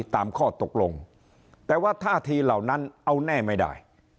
ตามข้อตกลงแต่ว่าท่าทีเหล่านั้นเอาแน่ไม่ได้